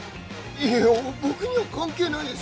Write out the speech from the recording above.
いや僕には関係ないでしょ！